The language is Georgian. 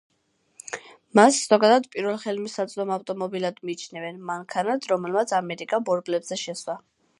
მას ზოგადად პირველ ხელმისაწვდომ ავტომობილად მიიჩნევენ, მანქანად, რომელმაც „ამერიკა ბორბლებზე შესვა“.